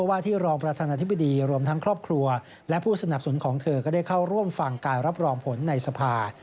ว่าที่รองประธานาธิบดีรวมทั้งครอบครัวและผู้สนับสนุนของเธอก็ได้เข้าร่วมฟังการรับรองผลในสภา